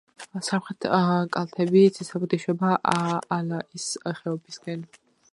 სამხრეთი კალთები ციცაბოდ ეშვება ალაის ხეობისკენ.